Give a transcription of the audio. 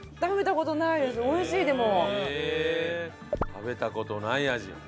食べた事ない味。